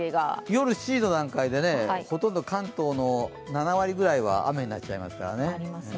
夜７時の段階でほとんど関東の７割ぐらいは雨になっちゃいますからね。